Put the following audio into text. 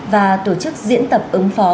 và tổ chức diễn tập ứng phó